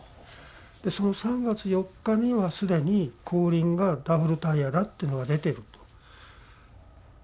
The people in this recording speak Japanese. その３月４日にはすでに後輪がダブルタイヤだっていうのが出てると。